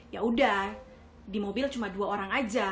yaudah di mobil cuma dua orang aja